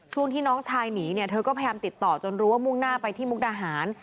ช่วงที่น้องชายหนีเนี่ยเธอก็พยายามติดต่อจนรู้ว่ามุ่งหน้าไปที่มุกดาหาร